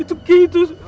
itu kek itu suara